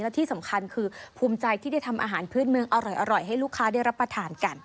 และที่สำคัญคือภูมิใจที่ได้ทำอาหารพื้นเมืองอร่อยให้ลูกค้าได้รับประทานกัน